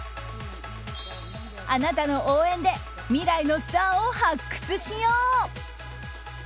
あなたの応援で未来のスターを発掘しよう。